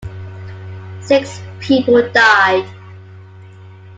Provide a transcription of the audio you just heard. Six people died.